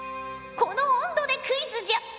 この温度でクイズじゃ！